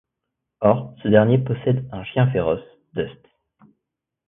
Or, ce dernier possède un chien féroce, Dust.